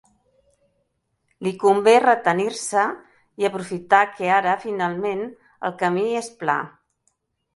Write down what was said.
Li convé retenir-se i aprofitar que ara, finalment, el camí és pla.